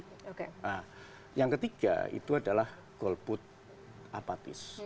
nah yang ketiga itu adalah goal put apatis